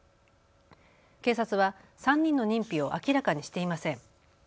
警察は３人の認否を明らかにしていません。